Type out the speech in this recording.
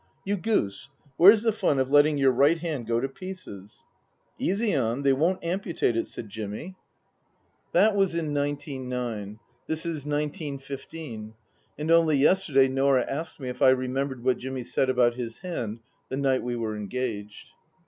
r ' You goose, where's the fun of letting your right hand go to pieces ?"" Easy on. They won't amputate it," said Jimmy. II 162 Tasker Jevons That was in nineteen nine. This is nineteen fifteen. And only yesterday Norah asked me if I remembered what , Jimmy said about his hand the night we were engaged.